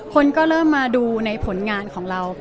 คนก็เริ่มมาดูในผลงานของเรา